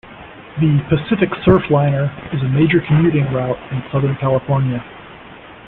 The "Pacific Surfliner" is a major commuting route in Southern California.